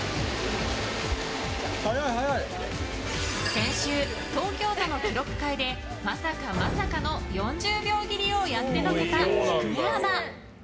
先週、東京都の記録会でまさかまさかの４０秒切りをやってのけたきくえアナ。